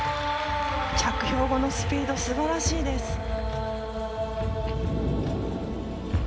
着氷後のスピード素晴らしいです